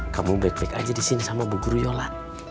kamu baik baik aja disini sama bu guru yola